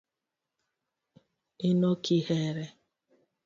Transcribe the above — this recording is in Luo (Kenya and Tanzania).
inokihere?